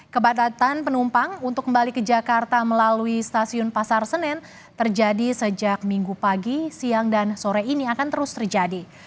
kepadatan penumpang untuk kembali ke jakarta melalui stasiun pasar senen terjadi sejak minggu pagi siang dan sore ini akan terus terjadi